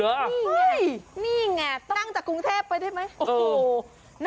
นี่นี่ไงตั้งจากกรุงเทพไปได้ไหม